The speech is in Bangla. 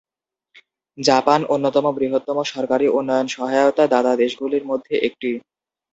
জাপান অন্যতম বৃহত্তম সরকারি উন্নয়ন সহায়তা দাতা দেশগুলির মধ্যে একটি।